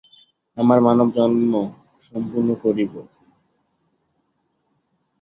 আমার মানবজন্ম সম্পূর্ণ করিব।